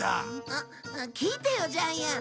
あっ聞いてよジャイアン！